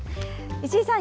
石井さん